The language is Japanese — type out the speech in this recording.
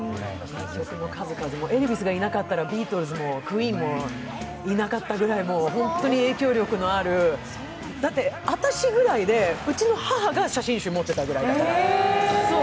名曲の数々も、エルヴィスがいなかったら、ビートルズもＱＵＥＥＮもいなかったくらい本当に影響力がある、だって私ぐらいで、うちの母が写真集を持っていたぐらいだから。